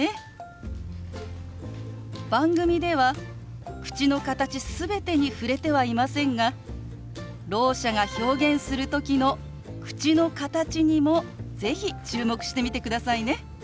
番組では口の形全てに触れてはいませんがろう者が表現する時の口の形にも是非注目してみてくださいね。